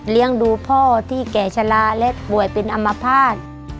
ดูพ่อที่แก่ชะลาและป่วยเป็นอัมพาต